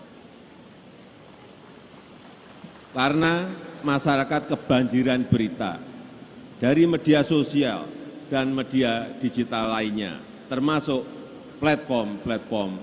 karena masyarakat kebanjiran berita dari media sosial dan media digital lainnya termasuk platform platform